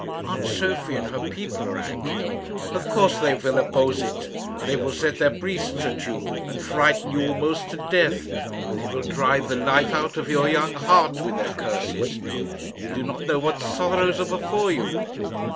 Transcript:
"Aunt Sophie and her people are angry." "Of course they will oppose it. They will set their priests at you, and frighten you almost to death. They will drive the life out of your young heart with their curses. You do not know what sorrows are before you."